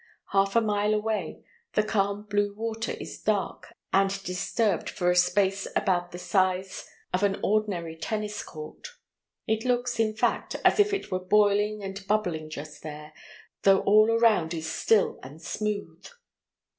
Half a mile away the calm blue water is dark and disturbed for a space about the size of an ordinary tennis court; it looks, in fact, as if it were boiling and bubbling just there, though all around is still and smooth.